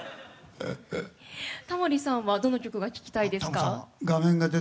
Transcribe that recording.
タモリさんはどの曲が聴きたいですか？